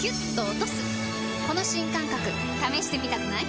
この新感覚試してみたくない？